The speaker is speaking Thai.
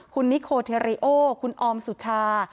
คุณนิโคเทเรโอคุณออมสุชา